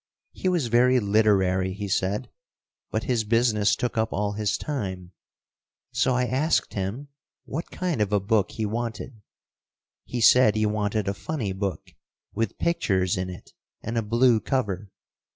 He was very literary, he said, but his business took up all his time, so I asked him what kind of a book he wanted. He said he wanted a funny book, with pictures in it and a blue cover.